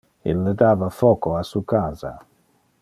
Ille dava foco a su casa.